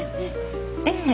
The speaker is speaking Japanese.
ええ。